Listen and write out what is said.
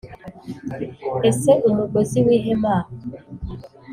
Ese umugozi w ihema